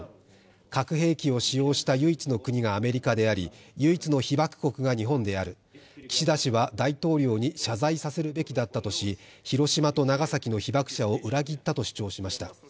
核兵器を使用した唯一の国がアメリカであり唯一の被爆国が日本である岸田氏は大統領に謝罪させるべきだったとし、広島と長崎の被爆者を裏切ったと主張しました。